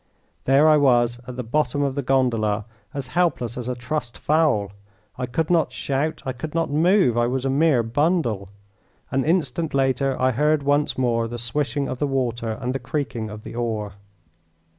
There I was at the bottom of the gondola as helpless as a trussed fowl. I could not shout, I could not move; I was a mere bundle. An instant later I heard once more the swishing of the water and the creaking of the oar.